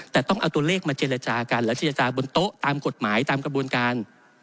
แต่ต้องเอาตัวเลขมาเจรจากันและเจรจาบนโต๊ะตามกฎหมายตามกระบวนการ